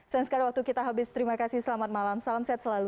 sayang sekali waktu kita habis terima kasih selamat malam salam sehat selalu